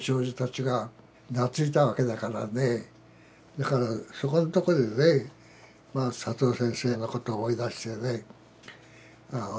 だからそこんとこでねまあ佐藤先生のことを思い出してねああ